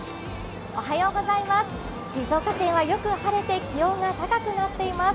静岡県はよく晴れて気温が高くなっています。